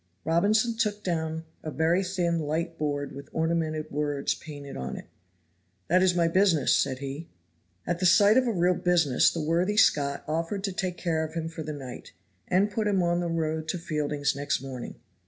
Robinson took down a very thin light board with ornamented words painted on it. "That is my business," said he. At the sight of a real business the worthy Scot offered to take care of him for the night, and put him on the road to Fielding's next morning.